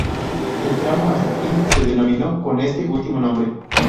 El tramo hasta aquí se denominó con este último nombre.